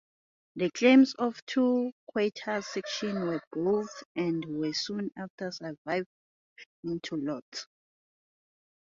The claims on two quarter-sections were bought, and were soon after surveyed into lots.